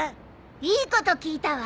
いいこと聞いたわ。